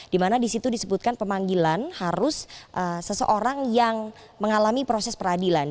di mana di situ disebutkan pemanggilan harus seseorang yang mengalami proses peradilan